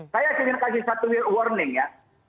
saya ingin kasih satu warning ya